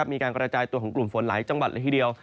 มีการกระจายตัวของกลุ่มฝนหลายจังหวัดละทีเดียว